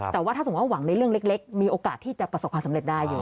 แต่ว่าถ้าสมมุติหวังในเรื่องเล็กมีโอกาสที่จะประสบความสำเร็จได้อยู่